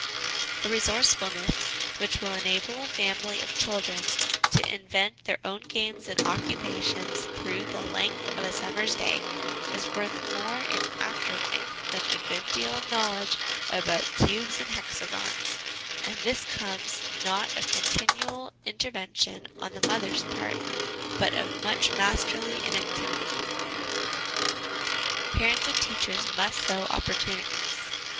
The re sourcefulness which will enable a family of children to invent their own games and occupations through the length of a summer's day is worth more in after life than a good deal of knowledge about cubes and hexagons, and this comes, not of continual intervention on the mother's part, but of much masterly inactivity. Parents and Teachers must sow Opportunities.